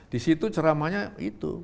disitu ceramahnya itu